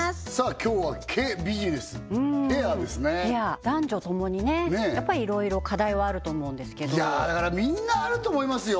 今日は毛ビジネスヘアですねヘア男女ともにねやっぱりいろいろ課題はあると思うんですけどだからみんなあると思いますよ